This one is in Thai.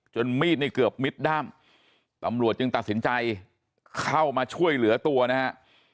มีดนี่เกือบมิดด้ามตำรวจจึงตัดสินใจเข้ามาช่วยเหลือตัวนะฮะ